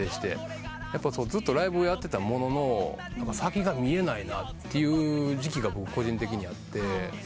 ずっとライブをやってたものの先が見えないなって時期が僕個人的にあって。